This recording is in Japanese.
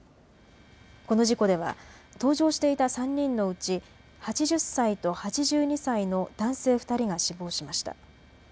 この事故では搭乗していた３人のうち８０歳と８２歳の男性２人が死亡しました。